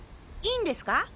いいんですか？